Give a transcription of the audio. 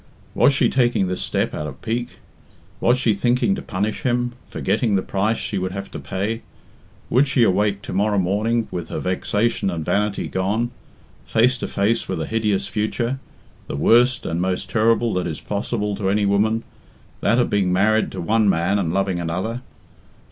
Was she taking this step out of pique? Was she thinking to punish him, forgetting the price she would have to pay? Would she awake to morrow morning with her vexation and vanity gone, face to face with a hideous future the worst and most terrible that is possible to any woman that of being married to one man and loving another?